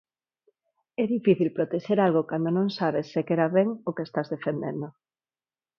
É difícil protexer algo cando non sabes sequera ben o que estás defendendo.